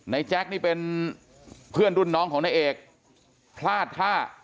แจ๊คนี่เป็นเพื่อนรุ่นน้องของนายเอกพลาดท่า